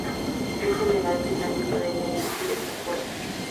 Un general británico debía dirigir estas fuerzas.